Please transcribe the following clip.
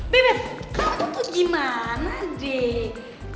beb kamu tuh gimana deh